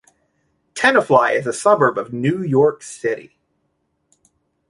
Tenafly is a suburb of New York City.